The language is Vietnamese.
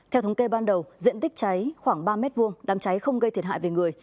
theo thống kê ban đầu diện tích cháy khoảng ba m hai đám cháy không gây thiệt hại về người